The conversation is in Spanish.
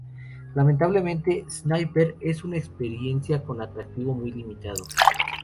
Lamentablemente, Sniper es una experiencia con un atractivo muy limitado.